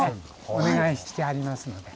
お願いしてありますので。